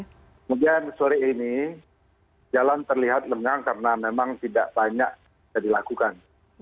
kemudian sore ini jalan terlihat lengang karena memang tidak banyak dilakukan